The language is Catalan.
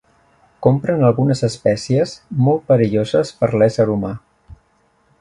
Compren algunes espècies molt perilloses per l'ésser humà.